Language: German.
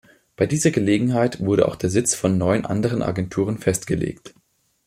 Bei dieser Gelegenheit wurde auch der Sitz von neun anderen Agenturen festgelegt.